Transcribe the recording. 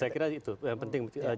saya kira itu yang penting